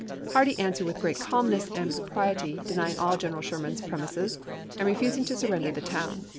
Hardee answered with great calmness and pro priety, denying all General Sherman's premises, and refusing to surrender the town.